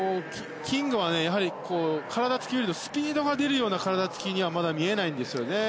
キングは、スピードが出るような体つきにはまだ見えないんですよね。